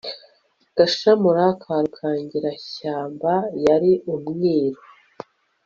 gashamura ka rukangirashyamba yari umwiru